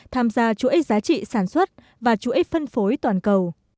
tham gia chuỗi giá trị sản xuất và chuỗi phân phối toàn cầu